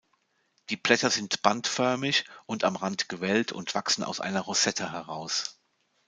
Die Blätter sind bandförmig und am Rand gewellt und wachsen aus einer Rosette heraus.